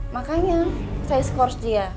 makanya saya scourse dia